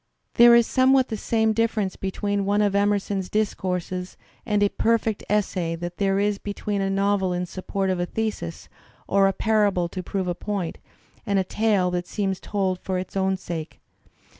There is somewhat the same dif ference between one of Emerson's discourses and a perfect essay that there is between a novel in support of a thesis or a parable to prove a point, and a tale that seems told for its own sake.